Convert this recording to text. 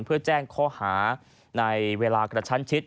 เพื่อแจ้งข้อหาในเวลากระชั้นชิด